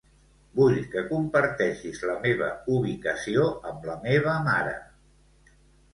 Vull que comparteixis la meva ubicació amb la meva mare.